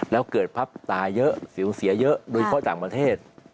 แล้วเกิดพับตาเยอะสิวเสียเยอะโดยเฉพาะต่างประเทศ